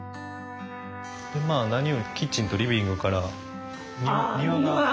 まあ何よりもキッチンとリビングから庭が。